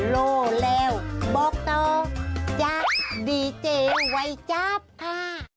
โล่แล้วบอกต่อจากดีเจวัยจับค่ะ